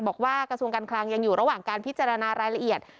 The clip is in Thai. กระทรวงการคลังยังอยู่ระหว่างการพิจารณารายละเอียด